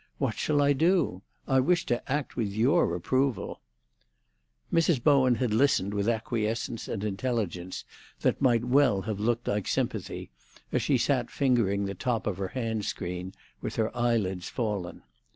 What shall I do? I wish to act with your approval." Mrs. Bowen had listened with acquiescence and intelligence that might well have looked like sympathy, as she sat fingering the top of her hand screen, with her eyelids fallen.